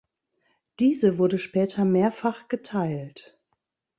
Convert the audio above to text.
Diese wurde später mehrfach geteilt.